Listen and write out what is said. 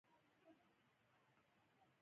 د جوزجان باغونه انګور لري.